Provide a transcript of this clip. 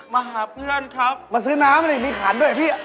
มาหาเพื่อนครับมาซื้อน้ำดิมีขันด้วยพี่